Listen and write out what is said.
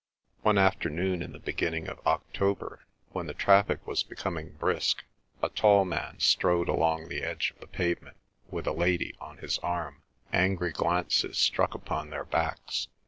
One afternoon in the beginning of October when the traffic was becoming brisk a tall man strode along the edge of the pavement with a lady on his arm. Angry glances struck upon their backs.